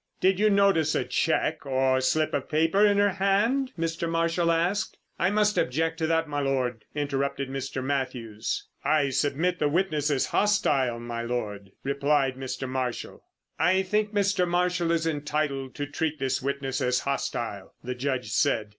"Did you notice a cheque or slip of paper—in her hand?" Mr. Marshall asked. "I must object to that, m' Lord," interrupted Mr. Mathews. "I submit the witness is hostile, m' Lord," replied Mr. Marshall. "I think Mr. Marshall is entitled to treat this witness as hostile," the Judge said.